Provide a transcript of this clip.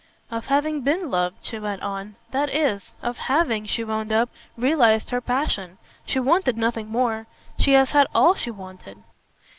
"Of having BEEN loved," she went on. "That is. Of having," she wound up, "realised her passion. She wanted nothing more. She has had ALL she wanted."